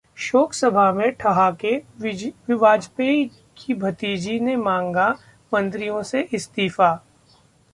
शोक सभा में ठहाके, वाजपेयी की भतीजी ने मांगा मंत्रियों से इस्तीफा